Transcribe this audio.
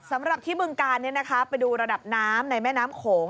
สำหรับที่บึงกาลไปดูระดับน้ำในแม่น้ำโขง